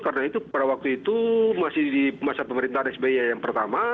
karena itu pada waktu itu masih di masa pemerintahan sbi yang pertama